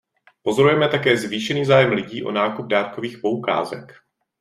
Pozorujeme také zvýšený zájem lidí o nákup dárkových poukázek.